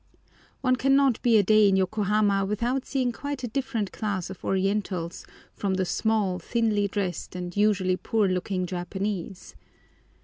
One cannot be a day in Yokohama without seeing quite a different class of orientals from the small, thinly dressed, and usually poor looking Japanese.